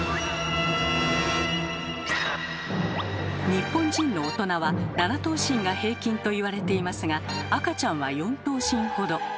日本人の大人は７頭身が平均と言われていますが赤ちゃんは４頭身ほど。